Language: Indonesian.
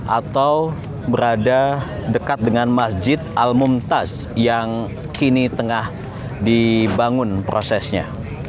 atau berada dekat dengan masjid al mumtaz yang kini tengah dibangun prosesnya